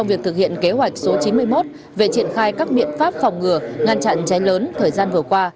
việc thực hiện kế hoạch số chín mươi một về triển khai các biện pháp phòng ngừa ngăn chặn cháy lớn thời gian vừa qua